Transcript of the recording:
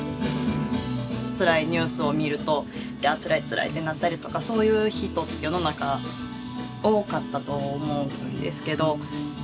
つらいニュースを見るとあつらいつらいってなったりとかそういう人世の中多かったと思うんですけど。